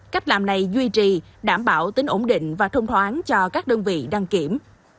cách làm này duy trì đảm bảo tính ổn định và thông thoáng cho các đơn vị đăng kiểm